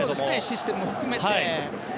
システムを含めてね。